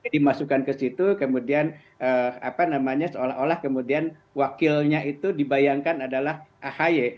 dimasukkan ke situ kemudian seolah olah kemudian wakilnya itu dibayangkan adalah ahy